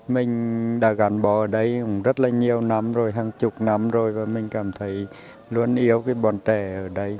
mình đã gắn bó ở đây cũng rất là nhiều năm rồi hàng chục năm rồi và mình cảm thấy luôn yêu cái bọn trẻ ở đây